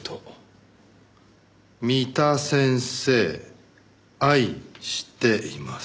「みた先生愛しています」